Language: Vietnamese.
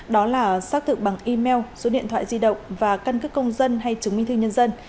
đó là xác thực bằng email số điện thoại di động và căn cức công dân hay chứng minh thư nhân dân